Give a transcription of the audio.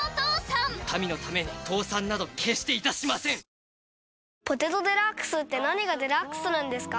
さわやか男性用」「ポテトデラックス」って何がデラックスなんですか？